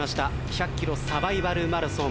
１００ｋｍサバイバルマラソン。